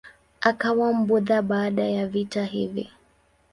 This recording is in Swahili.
Akawa Mbudha baada ya vita hivi.